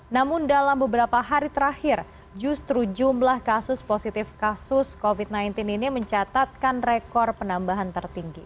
namun dalam beberapa hari terakhir justru jumlah kasus positif kasus covid sembilan belas ini mencatatkan rekor penambahan tertinggi